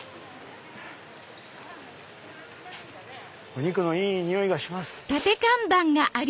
お肉のいい匂いがします。